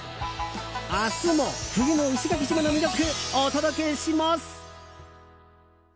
明日も冬の石垣島の魅力お届けします！